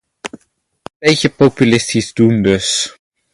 Een beetje populistisch doen dus.